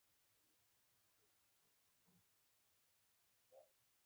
سړک کې باید زړو خلکو ته پاملرنه وشي.